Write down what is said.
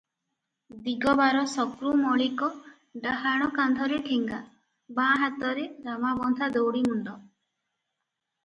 ଦିଗବାର ଶଙ୍କ୍ରୁ ମଳିକ ଡାହାଣ କାନ୍ଧରେ ଠେଙ୍ଗା, ବାଁ ହାତରେ ରାମାବନ୍ଧା ଦଉଡିମୁଣ୍ଡ ।